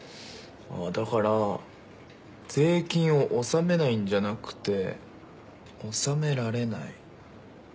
だから税金を納めないんじゃなくて納められない。